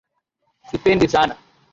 Sipendi sana.